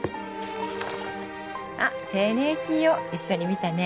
あっ「セネキオ」一緒に見たね